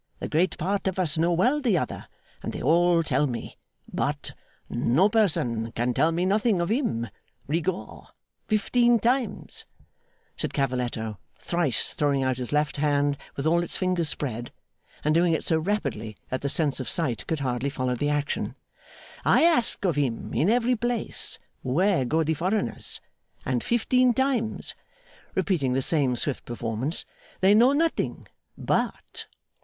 The great part of us know well the other, and they all tell me. But! no person can tell me nothing of him, Rigaud. Fifteen times,' said Cavalletto, thrice throwing out his left hand with all its fingers spread, and doing it so rapidly that the sense of sight could hardly follow the action, 'I ask of him in every place where go the foreigners; and fifteen times,' repeating the same swift performance, 'they know nothing. But!